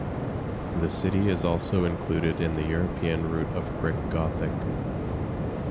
The city is also included in the European Route of Brick Gothic.